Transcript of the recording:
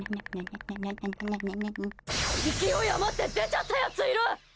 勢い余って出ちゃったやついる！